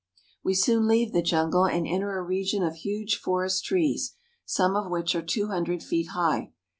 We soon leave the jungle and enter a region of huge forest trees, some of which are two hundred feet high.